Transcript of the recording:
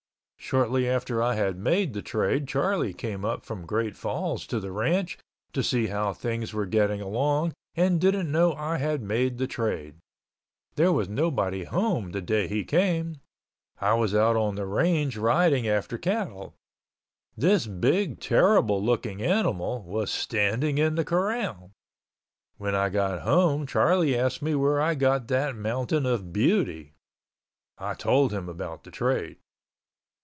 Shortly after I had made the trade Charlie came up from Great Falls to the ranch to see how things were getting along and didn't know I had made the trade. There was nobody home the day he came. I was out on the range riding after cattle. This big terrible looking animal was standing in the corral. When I got home Charlie asked me where I got that mountain of "beauty." I told him about the trade.